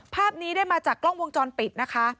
ภาพนี้ได้มาจากกล้องวงจรปิดนะคะ